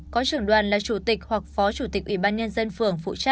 có trưởng đoàn là chủ tịch hoặc phó chủ tịch ủy ban nhân dân phường phụ trách